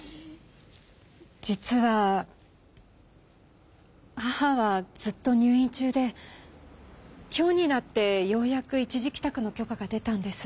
実は母はずっと入院ちゅうで今日になってようやく一時きたくの許可が出たんです。